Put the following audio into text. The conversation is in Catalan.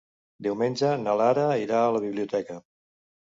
Diumenge na Lara irà a la biblioteca.